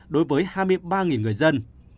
đối với hai mươi ba người dân